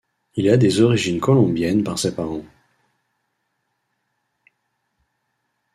Il a des origines colombiennes par ses parents.